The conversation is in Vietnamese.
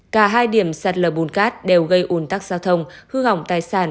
cả hai điểm sạt lờ bùn cát đều gây ồn tắc giao thông hư hỏng tài sản